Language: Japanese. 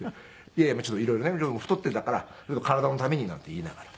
「いやいやちょっと色々ね太ってたから体のために」なんて言いながら。